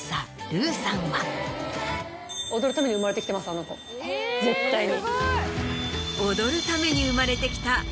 あの子絶対に。